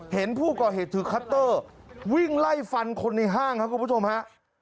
เห็นผู้ก่อเหตุถือคัตเตอร์วิ่งไล่ฟันคนในห้างครับคุณผู้ชมฮะ